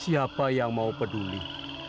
pelan pertama dalam happily together